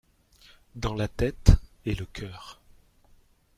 Dans la tête et le cœur.